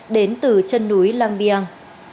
đến từ chân núi lang biang